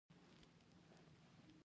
نېکه ښځه په دنیا کي لوی نعمت دی.